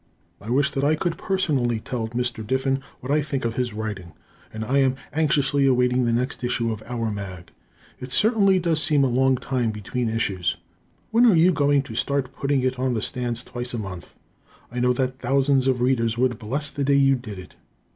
I wish that I could personally tell Mr. Diffin what I think of his writing. I am anxiously awaiting the next issue of "our mag." It certainly does seem a long time between issues. When are you going to start putting it on the stands twice a month? I know that thousands of Readers would bless the day you did it.